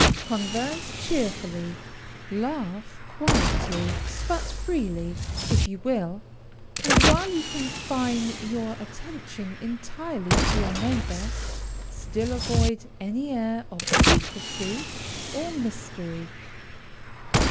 Converse cheerfully, laugh quietly, but freely, if you will, and while you confine your attention entirely to your neighbor, still avoid any air of secrecy or mystery.